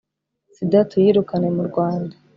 sida tuyirukane mu rwanda.